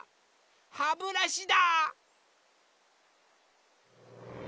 ハブラシだ！